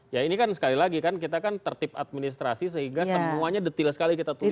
ya ini kan sekali lagi kan kita kan tertib administrasi sehingga semuanya detail sekali kita tulis